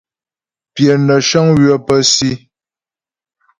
Pyə nə́ shəŋ ywə pə́ si.